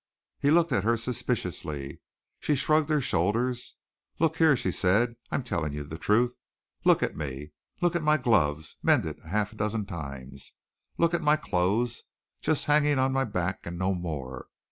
He looked at her suspiciously. She shrugged her shoulders. "Look here," she said, "I am telling you the truth. Look at me, look at my gloves mended half a dozen times. Look at my clothes, just hanging on my back and no more.